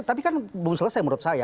tapi kan belum selesai menurut saya